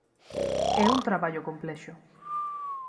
É un traballo complexo.